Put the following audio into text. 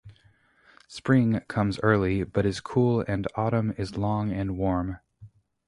Spring comes early but is cool and autumn is long and warm.